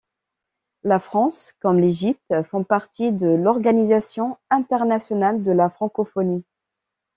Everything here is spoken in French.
La France comme l’Égypte font partie de l'Organisation Internationale de la Francophonie.